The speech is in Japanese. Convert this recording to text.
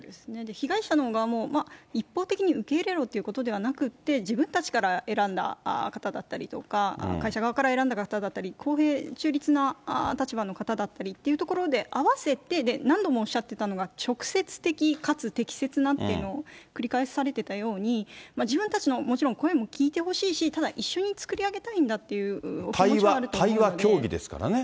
被害者の側も、一方的に受け入れろということではなくて、自分たちから選んだ方だったりとか、会社側から選んだ方だったり、公平中立な立場の方だったりっていうところで、あわせて、何度もおっしゃってたのが、直接的かつ適切なっていうのを繰り返されていたように、自分たちのもちろん、声も聞いてほしいし、ただ一緒に作り上げたいんだっていう気持ちもあると思いますね。